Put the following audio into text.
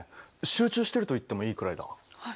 集中してると言ってもいいくらいだ。